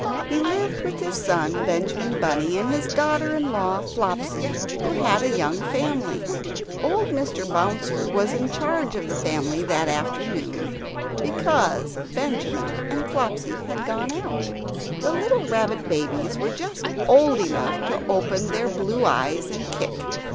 He lived with his son Benjamin Bunny and his daughter in law Flopsy, who had a young family. Old Mr. Bouncer was in charge of the family that afternoon, because Benjamin and Flopsy had gone out. The little rabbit babies were just old enough to open their blue eyes and kick.